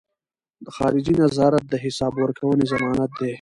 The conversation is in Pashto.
خارجي نظارت د حساب ورکونې ضمانت دی.